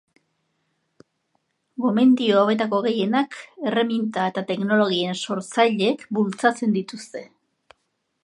Gomendio hauetako gehienak erreminta eta teknologien sortzaileek bultzatzen dituzte.